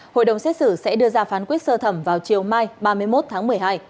hội đồng xét xử sẽ đưa ra phán quyết sơ thẩm vào chiều mai ba mươi một tháng một mươi hai